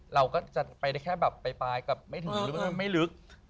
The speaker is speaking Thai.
เราก็จะไปได้แค่แบบปลายกับไม่ถึงหรือว่าไม่ลึก